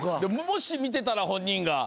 もし見てたら本人が。